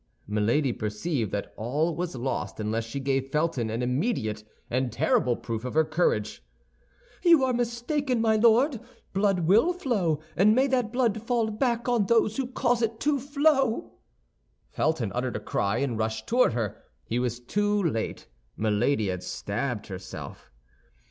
Milady perceived that all was lost unless she gave Felton an immediate and terrible proof of her courage. "You are mistaken, my Lord, blood will flow; and may that blood fall back on those who cause it to flow!" Felton uttered a cry, and rushed toward her. He was too late; Milady had stabbed herself.